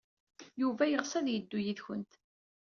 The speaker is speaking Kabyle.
Yuba yeɣs ad yeddu yid-went.